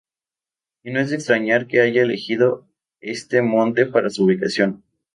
Y no es de extrañar que haya elegido este monte para su ubicación.